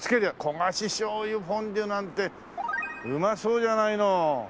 焦がし醤油フォンデュなんてうまそうじゃないの。